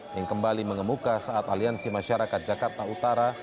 yang kembali mengemuka saat aliansi masyarakat jakarta utara